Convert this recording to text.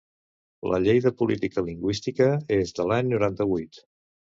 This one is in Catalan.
La llei de política lingüística és de l'any noranta-vuit.